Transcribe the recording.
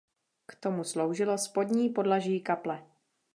K tomu sloužilo spodní podlaží kaple.